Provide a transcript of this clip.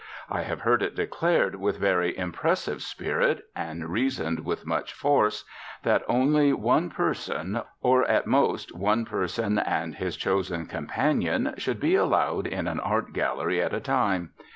I have heard it declared with very impressive spirit, and reasoned with much force, that only one person, or at most only one person and his chosen companion, should be allowed in an art gallery at a time.